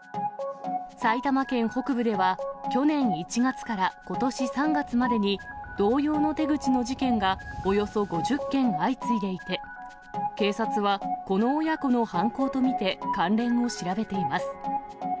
埼玉県北部では、去年１月からことし３月までに、同様の手口の事件がおよそ５０件相次いでいて、警察はこの親子の犯行と見て関連を調べています。